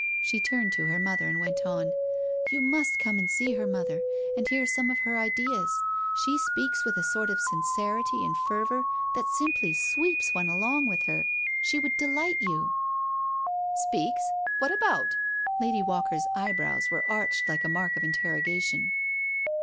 She turned to her mother and went on: " You must come and see her. Mother, and hear some of her ideas. She speaks with a sort of sincerity and fervour that simply sweeps one along with her — she would delight you." " Speaks 1 What about?" Lady Walker's eyebrows were arched like a mark of interrogation.